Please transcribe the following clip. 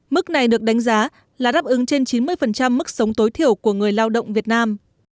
mức này được đánh giá là đáp ứng trên chín mươi mức sống tối thiểu của người lao động việt nam